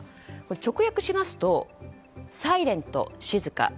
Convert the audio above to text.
直訳しますとサイレントは、静か。